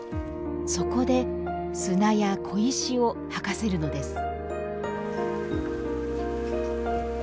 そこで砂や小石を吐かせるのです